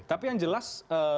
tapi yang jelas